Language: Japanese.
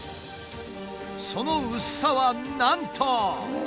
その薄さはなんと。